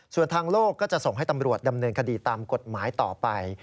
ส่วนทางโลกก็จะส่งให้ตำรวจดำเนินคดีตามกฎหมายต่อไป